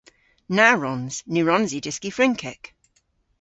Na wrons. Ny wrons i dyski Frynkek.